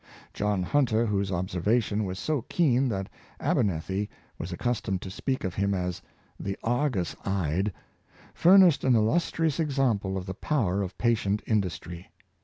John Hunter — whose observation was so keen that Abernethy was accustomed to speak of him as " the Argus eyed "— furnished an illustrious example of the power of patient industry.